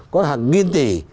có hàng nghìn tỷ